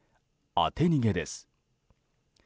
当て逃げです。